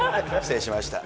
失礼しました。